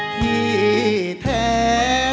ที่แท้